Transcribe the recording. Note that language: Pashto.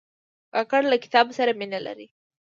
کاکړ له کتاب سره مینه لري.